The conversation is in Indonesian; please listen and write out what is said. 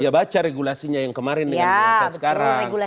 ya baca regulasinya yang kemarin dengan berangkat sekarang